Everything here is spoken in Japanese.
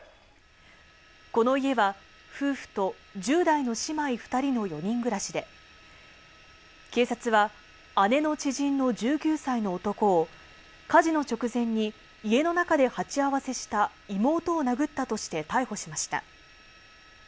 この家は夫婦と１０代の姉妹２人の４人暮らしで、警察は姉の知人の１９歳の男を火事の直前に家の中で鉢合わせした妹を殴ったとして逮捕しました。